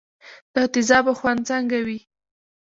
د تیزابو خوند څنګه وي.